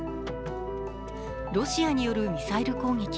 ロシアによるミサイル攻撃。